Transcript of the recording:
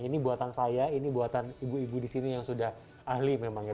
ini buatan saya ini buatan ibu ibu di sini yang sudah ahli memang ya